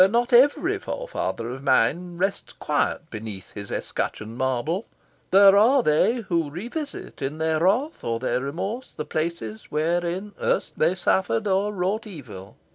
Not every forefather of mine rests quiet beneath his escutcheoned marble. There are they who revisit, in their wrath or their remorse, the places wherein erst they suffered or wrought evil.